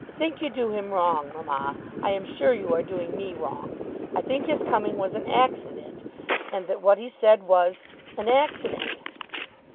"I think you do him wrong, mamma. I am sure you are doing me wrong. I think his coming was an accident, and that what he said was an accident."